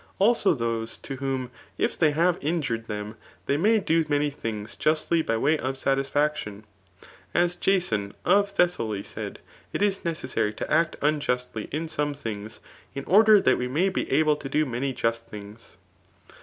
Abo those, to whom if they have injured them they may do many things justly by way of satisfaction ; as Jason, of Thessaly saic^ it is necessary to act unjustly in some things^ in order that we may be able to do jEuany just things*